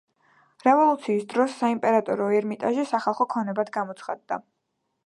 რევოლუციის დროს საიმპერატორო ერმიტაჟი სახალხო ქონებად გამოცხადდა.